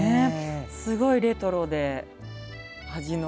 すごいレトロで味のある。